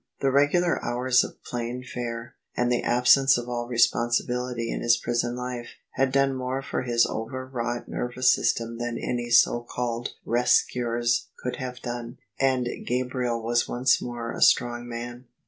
The regular hours of plain fare, and the absence of all responsibility in his prison life, had done more for his overwrought nervous system than any so called " rest cures " coidd have done, and Gabriel was once more a strong man.